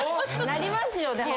なりますよでも。